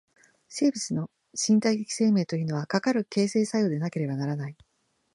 生物の身体的生命というのは、かかる形成作用でなければならない。